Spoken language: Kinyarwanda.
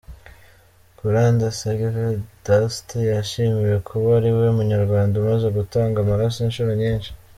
Kuradusenge Vedaste yashimiwe kuba ariwe Munyarwanda umaze gutanga amaraso inshuro nyinshi.